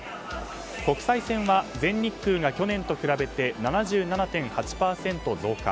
国際線は全日空が去年と比べて７７．８％増加。